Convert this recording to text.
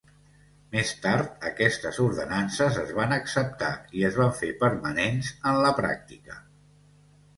Més tard, aquestes ordenances es van acceptar i es van fer permanents en la pràctica.